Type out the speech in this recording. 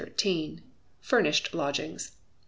Furnished Lodgings.